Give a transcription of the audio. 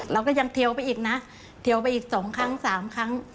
เราก็ยังเทียวไปอีกนะเทียวไปอีก๒ครั้ง๓ครั้ง